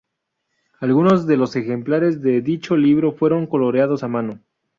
Algunos de los ejemplares de dicho libro fueron coloreados a mano.